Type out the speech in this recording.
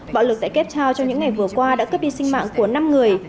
bạo lực tại cape town trong những ngày vừa qua đã cướp đi sinh mạng của năm người